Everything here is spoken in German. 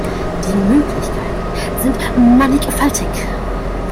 Die Möglichkeiten sind mannigfaltig.